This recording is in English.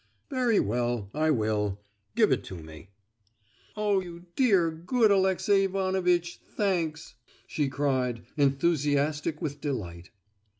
"Very well, I will. Give it to me!" "Oh, you dear, good Alexey Ivanovitch, thanks!" she cried, enthusiastic with delight.